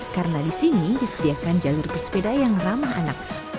karena di sini disediakan jalur bersepeda yang ramah anak